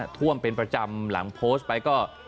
ท่วมเป็นประจำหลังโพสต์ไปก็